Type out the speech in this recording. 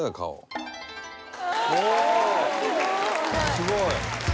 すごい！